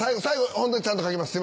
ホントにちゃんと描きます。